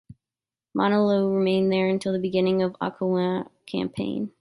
"Mauna Loa" remained there until the beginning of the Okinawa campaign.